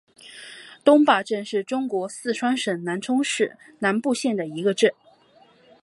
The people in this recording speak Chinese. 东坝镇是中国四川省南充市南部县的一个镇。